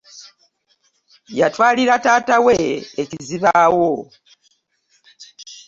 Yatwalira taata we ekizibawo.